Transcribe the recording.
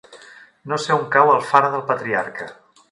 No sé on cau Alfara del Patriarca.